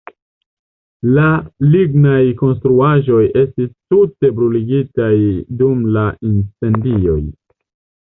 La lignaj konstruaĵoj estis tute bruligitaj dum la incendioj.